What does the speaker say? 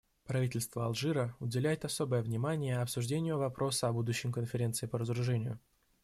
Правительство Алжира уделяет особое внимание обсуждению вопроса о будущем Конференции по разоружению.